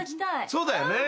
そうだよね。